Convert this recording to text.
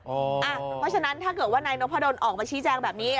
เพราะฉะนั้นถ้าเกิดว่านายนพดลออกมาชี้แจงแบบนี้